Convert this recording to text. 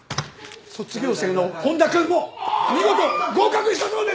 卒業生の本田君も見事合格したそうです。